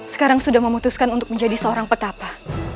sekarang sudah memutuskan untuk menjadi seorang petapa